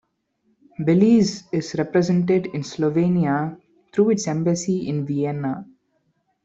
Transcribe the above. Belize is represented in Slovenia through its embassy in Vienna.